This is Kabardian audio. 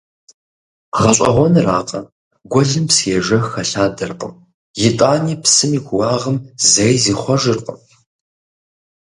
ГъэщӀэгъуэнракъэ, гуэлым псы ежэх хэлъадэркъым, итӀани псым и куууагъым зэи зихъуэжыркъым.